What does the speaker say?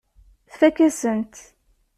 Tfakk-asent-t.